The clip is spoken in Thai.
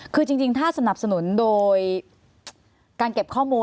คือจริงถ้าสนับสนุนโดยการเก็บข้อมูล